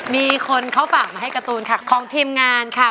มีคนเขาฝากมาให้การ์ตูนค่ะของทีมงานค่ะ